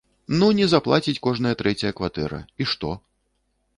Ну, не заплаціць кожная трэцяя кватэра, і што?